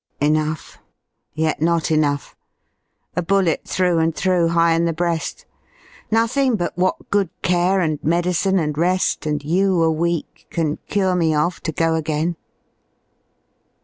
"Enough, Yet not enough. A bullet through and through, High in the breast. Nothing but what good care And medicine and rest ŌĆö and you a week, Can cure me of to go again."